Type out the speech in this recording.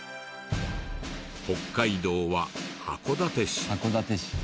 北海道は函館市。